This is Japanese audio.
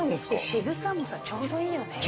渋さもちょうどいいよね。